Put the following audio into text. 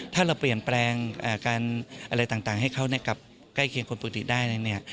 ถ้าเราเปลี่ยนแปลงการอะไรต่างให้เขากลับใกล้เคียงคนปกติได้เนี่ย